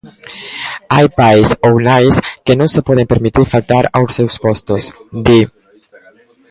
Hai pais ou nais que non se poden permitir faltar aos seus postos, di.